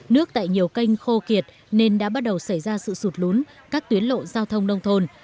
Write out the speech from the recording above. nước tại nhiều kênh khô kiệt nên đã bắt đầu xảy ra sự sụt lún các tuyến lộ giao thông nông thôn